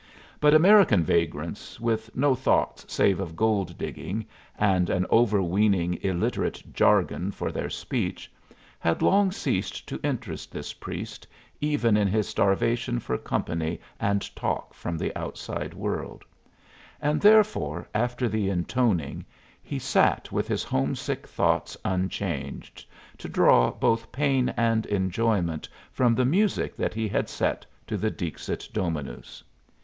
But American vagrants, with no thoughts save of gold digging, and an overweening illiterate jargon for their speech, had long ceased to interest this priest, even in his starvation for company and talk from the outside world; and therefore after the intoning, he sat with his homesick thoughts unchanged, to draw both pain and enjoyment from the music that he had set to the Dixit Dominus.